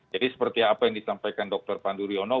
jadi seperti apa yang disampaikan dr panduryono